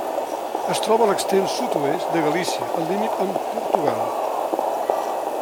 Es troba a l'extrem sud-oest de Galícia, al límit amb Portugal.